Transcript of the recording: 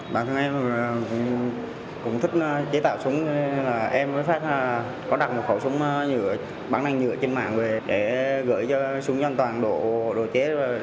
bản thân em cũng thích chế tạo súng nên là em có đặt một khẩu súng bán đạn nhựa trên mạng về để gửi cho súng an toàn độ chế